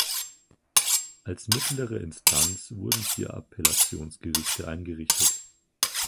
Als mittlere Instanz wurden vier Appellationsgerichte eingerichtet.